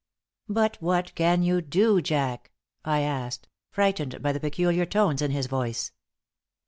"But what can you do, Jack?" I asked, frightened by the peculiar tones in his voice.